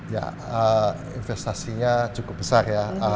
ya investasinya cukup besar ya